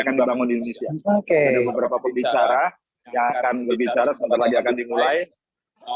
jadi uang uang investasi yang kami siapkan di dasar tidak berkosong